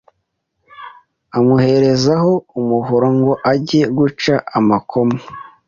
amuhereza umuhoro ngo ajye guca amakoma